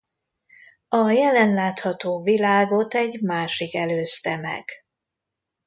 A jelen látható világot egy másik előzte meg.